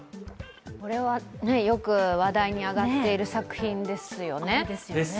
これはよく話題に上がっている作品ですよね。